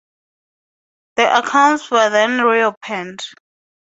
The accounts were then reopened.